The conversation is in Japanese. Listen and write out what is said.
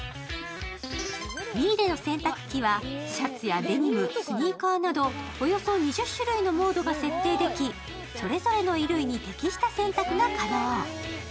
ミーレの洗濯機はシャツやデニム、スニーカーなどおよそ２０種類のモードが設定でき、それぞれの衣類に適した選択が可能。